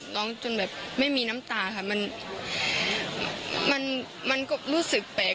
จนแบบไม่มีน้ำตาค่ะมันก็รู้สึกแปลก